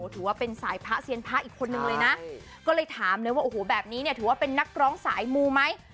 ถือว่าเป็นสายพระเซียนพระอีกคนนึงเลยนะก็เลยถามเลยว่าโอ้โหแบบนี้เนี่ยถือว่าเป็นนักร้องสายมูไหม